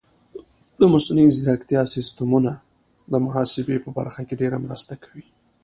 د مصنوعي ځیرکتیا سیستمونه د محاسبې په برخه کې ډېره مرسته کوي.